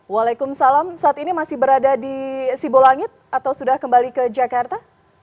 waalaikumsalam saat ini masih berada di sibolangit atau sudah kembali ke jakarta